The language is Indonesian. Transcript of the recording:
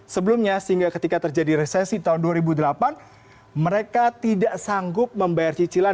sebelumnya sehingga ketika terjadi resesi tahun dua ribu delapan mereka tidak sanggup membayar cicilan